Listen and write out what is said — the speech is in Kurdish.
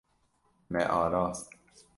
Me arast.